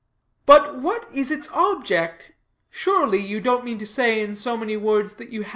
"But what is its object? Surely, you don't mean to say, in so many words, that you have no confidence?